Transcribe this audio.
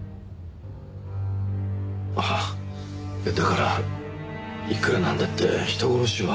ああだからいくらなんだって人殺しは。